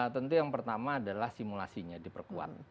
tentu yang pertama adalah simulasinya di perkuan